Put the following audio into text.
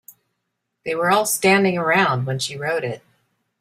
They were all standing around when she wrote it.